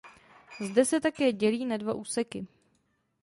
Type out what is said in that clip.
Zde se také dělí na dva úseky.